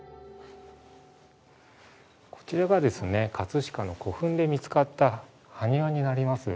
こちらがですね飾の古墳で見つかった埴輪になります。